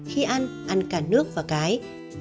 khi ăn ăn cả nước và cái